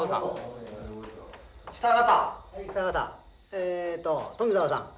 えっと富沢さん。